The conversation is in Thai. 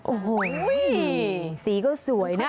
โอ้โหสีก็สวยนะ